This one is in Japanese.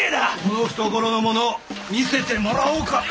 その懐のもの見せてもらおうか！